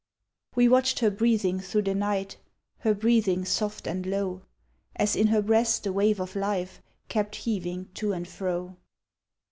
We watched her breathing through the night, Her breathing soft and low, As in her breast the wave of life Kept heaving to and fro.